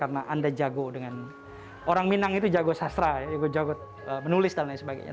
karena anda jago dengan orang minang itu jago sastra jago menulis dan lain sebagainya